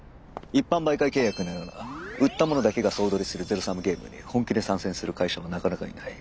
一般媒介契約のような売ったものだけが総取りするゼロサムゲームに本気で参戦する会社はなかなかいない。